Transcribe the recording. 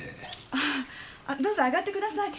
あぁどうぞ上がってください。